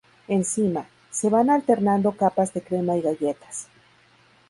Encima, se van alternando capas de crema y galletas.